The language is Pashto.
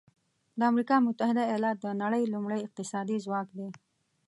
د امریکا متحده ایالات د نړۍ لومړی اقتصادي ځواک دی.